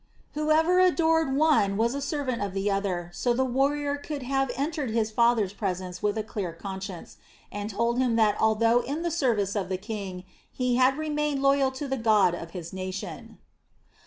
Whoever adored one was a servant of the other, so the warrior could have entered his father's presence with a clear conscience, and told him that although in the service of the king he had remained loyal to the God of his nation.